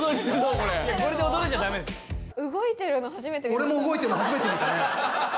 俺も動いてるの初めて見たね！